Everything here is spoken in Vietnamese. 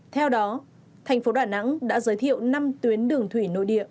theo đó thành phố đà nẵng đã giới thiệu năm tuyến đường thủy nội địa